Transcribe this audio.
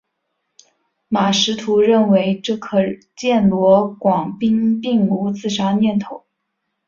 马识途认为这可见罗广斌并无自杀念头。